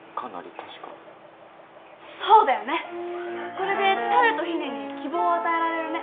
これでタネとヒネに希望を与えられるね。